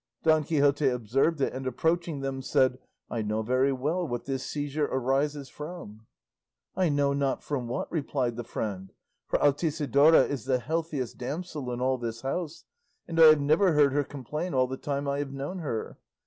Don Quixote observed it, and approaching them said, "I know very well what this seizure arises from." "I know not from what," replied the friend, "for Altisidora is the healthiest damsel in all this house, and I have never heard her complain all the time I have known her.